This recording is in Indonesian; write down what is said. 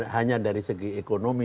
hanya dari segi ekonomi